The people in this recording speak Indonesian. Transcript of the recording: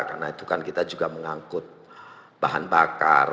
karena itu kan kita juga mengangkut bahan bakar